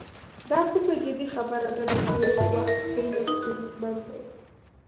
دا کومه جدي خبره نه ده چې اوس وخت څومره ستونزمن دی.